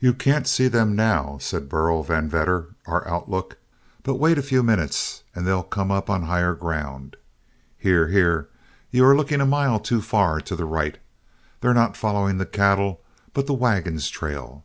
"You can't see them now," said Burl Van Vedder, our outlook; "but wait a few minutes and they'll come up on higher ground. Here, here, you are looking a mile too far to the right they're not following the cattle, but the wagon's trail.